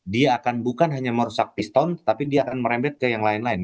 dia akan bukan hanya merusak pistol tapi dia akan merembet ke yang lain lain